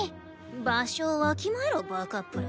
場所をわきまえろバカップル。